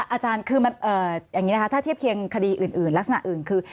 อาจารย์ถ้าเทียบเคียงคดีอื่นลักษณะอื่นคือ